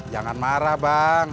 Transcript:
jangan marah bang